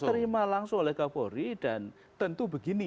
diterima langsung oleh kapolri dan tentu begini